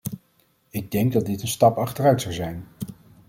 Ik denk dat dit een stap achteruit zou zijn.